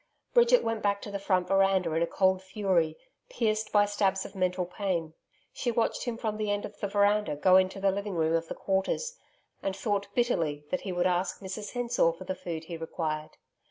Bridget went back to the front veranda in a cold fury, pierced by stabs of mental pain. She watched him from the end of the veranda go into the living room of the Quarters, and thought bitterly that he would ask Mrs Hensor for the food he required.